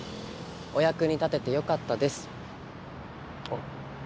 お役に立ててよかったです。